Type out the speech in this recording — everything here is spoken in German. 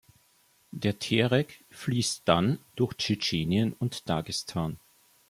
Der Terek fließt dann durch Tschetschenien und Dagestan.